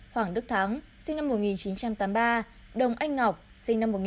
hoàng đức thắng sinh năm một nghìn chín trăm tám mươi ba đồng anh ngọc sinh năm một nghìn chín trăm tám mươi tám